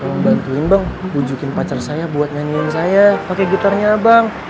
tolong bantuin bang bujukin pacar saya buat nyanyiin saya pake gitarnya abang